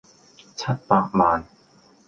七百萬